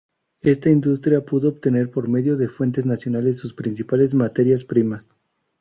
Esta industria pudo obtener por medio de fuentes nacionales sus principales materias primas.